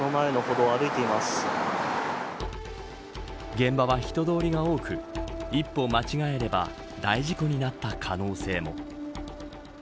現場は人通りが多く一歩間違えれば大事故になった可能性も。